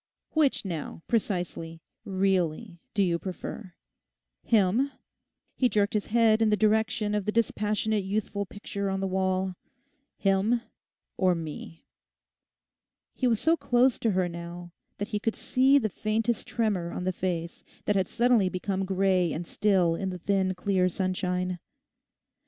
Which, now, precisely, really do you prefer—him,' he jerked his head in the direction of the dispassionate youthful picture on the wall, 'him or me?' He was so close to her now that he could see the faintest tremor on the face that had suddenly become grey and still in the thin clear sunshine.